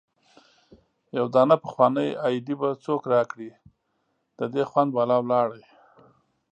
يو دانه پخوانۍ ايډي به څوک را کړي د دې خوند بالا ولاړی